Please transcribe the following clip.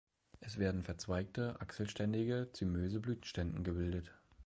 Es werden verzweigte, achselständige, zymöse Blütenständen gebildet.